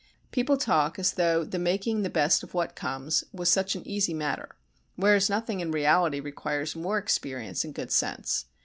People talk as though the making the best of what comes was such an easy matter, whereas nothing in reality requires more experience and good sense.